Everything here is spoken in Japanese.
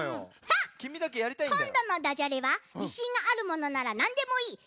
さあこんどのダジャレはじしんがあるものならなんでもいい。